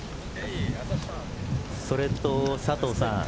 それと佐藤さん